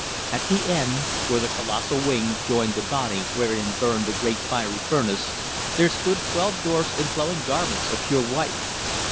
At the end, where the colossal wing joined the body wherein burned the great fiery furnace, there stood twelve dwarfs in flowing garments of pure white.